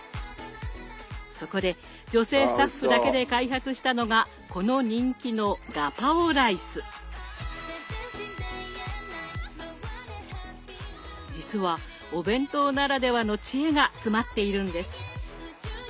そこで女性スタッフだけで開発したのがこの人気の実はお弁当ならではの知恵が詰まっているんです。